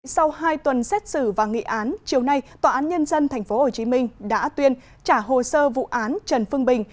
sau hai tuần xét xử và nghị án chiều nay tòa án nhân dân tp hcm đã tuyên trả hồ sơ vụ án trần phương bình